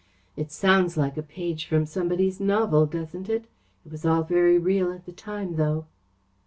It sounds like a page from somebody's novel, doesn't it? It was all very real at the time, though."